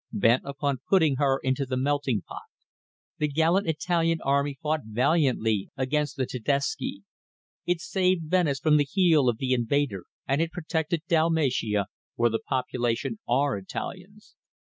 bent upon putting her into the melting pot. The gallant Italian army fought valiantly against the Tedesci. It saved Venice from the heel of the invader and it protected Dalmatia, where the population are Italians.